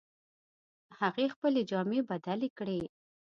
هغې خپلې جامې بدلې کړې